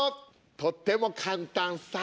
とっても簡単さ。